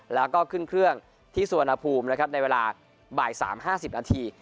แล้วก็ขึ้นเครื่องที่สุวรรณภูมินะครับในเวลาบ่าย๓๕๐นาที